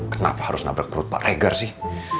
kenapa harus nabrak perut pak regar sih